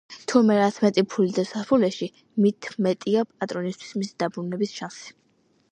თურმე, რაც მეტი ფული დევს საფულეში, მით მეტია პატრონისთვის მისი დაბრუნების შანსი.